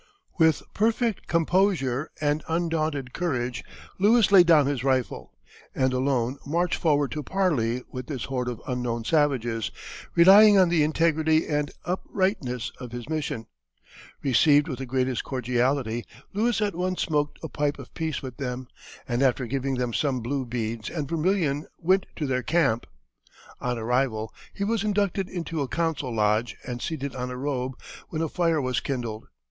With perfect composure and undaunted courage Lewis laid down his rifle, and alone marched forward to parley with this horde of unknown savages, relying on the integrity and uprightness of his mission. Received with the greatest cordiality, Lewis at once smoked a pipe of peace with them, and after giving them some blue beads and vermilion went to their camp. On arrival he was inducted into a council lodge and seated on a robe, when a fire was kindled.